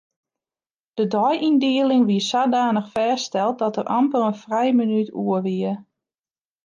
De deiyndieling wie sadanich fêststeld dat der amper in frije minút oer wie.